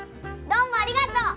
どうもありがとう！